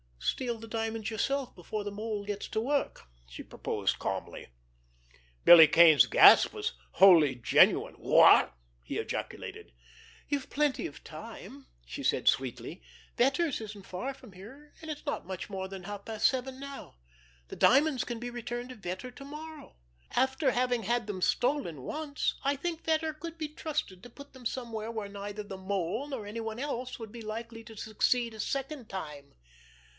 "Steal the diamonds yourself before the Mole gets to work," she proposed calmly. Billy Kane's gasp was wholly genuine. "What?" he ejaculated. "You've plenty of time," she said sweetly. "Vetter's isn't far from here, and it's not much more than half past seven now. The diamonds can be returned to Vetter tomorrow. After having had them stolen once, I think Vetter could be trusted to put them somewhere where neither the Mole nor anyone else would be likely to succeed a second time."